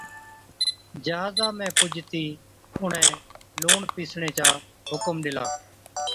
جھازا ۾ پُجتِي اُڻهين لُوڻ پِيسڻي چا حُڪم ڏِلا۔